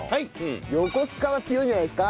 横須賀は強いんじゃないですか？